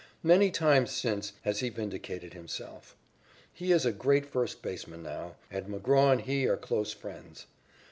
Many times since has he vindicated himself. He is a great first baseman now, and McGraw and he are close friends.